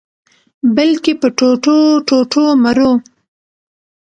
بلکي په ټوټو-ټوټو مرو